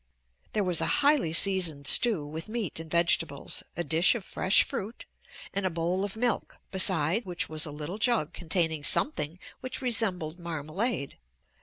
There was a highly seasoned stew with meat and vegetables, a dish of fresh fruit, and a bowl of milk beside which was a little jug containing something which resembled marmalade.